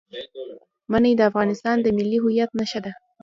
منی د افغانستان د ملي هویت نښه ده.